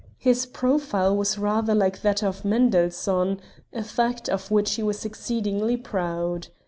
His profile was rather like that of Mendelssohn, a fact of which he was exceedingly proud.